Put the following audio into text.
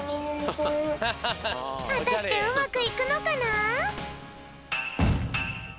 はたしてうまくいくのかな？